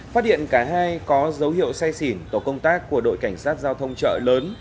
phát hiện cả hai có dấu hiệu say xỉn tổ công tác của đội cảnh sát giao thông chợ lớn